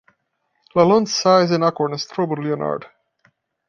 Lalonde's size and awkwardness troubled Leonard.